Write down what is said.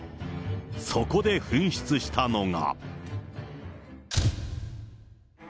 そこで噴出したのが。